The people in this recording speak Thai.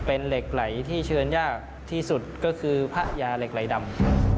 เป็นเหล็กไหลที่เชิญยากที่สุดก็คือพระยาเหล็กไหลดำ